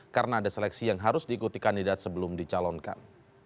karena ada seleksi yang harus diikuti kandidat sebelum dicalonkan